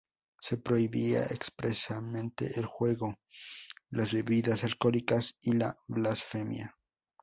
Se prohibía expresamente el juego, las bebidas alcohólicas y la blasfemia.